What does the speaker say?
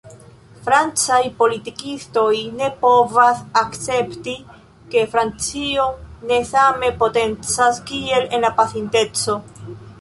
Francaj politikistoj ne povas akcepti, ke Francio ne same potencas kiel en la pasinteco.